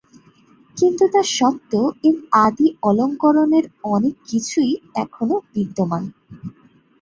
কিন্তু তা সত্ত্বেও এর আদি অলংকরণের অনেক কিছুই এখনও বিদ্যমান।